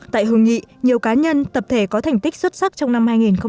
tại hội nghị nhiều cá nhân tập thể có thành tích xuất sắc trong năm hai nghìn một mươi tám